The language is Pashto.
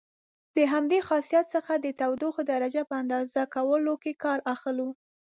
د همدې خاصیت څخه د تودوخې درجې په اندازه کولو کې کار اخلو.